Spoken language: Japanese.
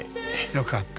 よかった。